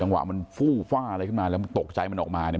วะมันฟู่ฟ่าอะไรขึ้นมาแล้วมันตกใจมันออกมาเนี่ย